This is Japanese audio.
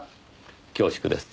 恐縮です。